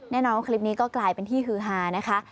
แน่นอนว่าคลิปนี้ก็กลายเป็นที่ฮือฮานะคะ